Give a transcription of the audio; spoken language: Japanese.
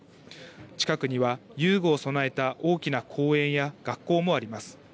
近くには遊具を備えた大きな公園や学校もあります。